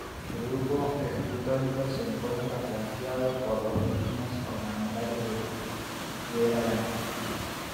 El grupo escultórico se encuentra flanqueado por dos piñas ornamentales, de piedra blanca.